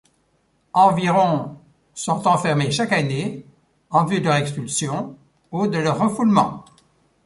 Environ sont enfermées chaque année en vue de leur expulsion ou de leur refoulement.